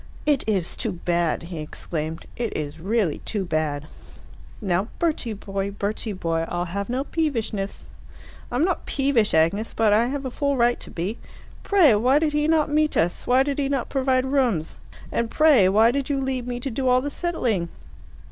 "It is too bad!" he exclaimed. "It is really too bad." "Now, Bertie boy, Bertie boy! I'll have no peevishness." "I am not peevish, Agnes, but I have a full right to be. Pray, why did he not meet us? Why did he not provide rooms? And pray, why did you leave me to do all the settling?